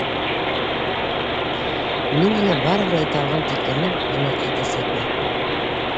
Мин һиңә барыбер әйтә алған тиклемен генә әйтәсәкмен!